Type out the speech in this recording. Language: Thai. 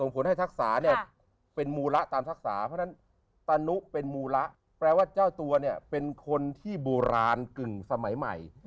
พระคุณตานุเป็นมูละแปลว่าเจ้าตัวเป็นคนที่บุราณกึ่งสมัยใหม่